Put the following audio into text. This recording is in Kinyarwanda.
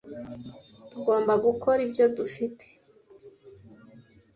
Tugomba gukora ibyo dufite.